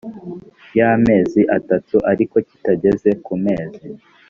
y amezi atatu ariko kitageze ku mezi